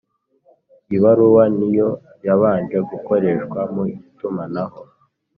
ibaruwa ni yo yabanje gukoreshwa mu itumanaho